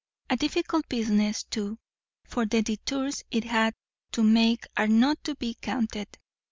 A difficult business, too; for the détours it had to make are not to be counted.